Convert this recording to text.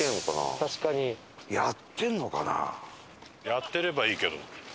やってればいいけど。